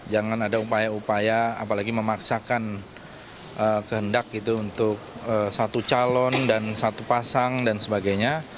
jangan ada upaya upaya apalagi memaksakan kehendak gitu untuk satu calon dan satu pasang dan sebagainya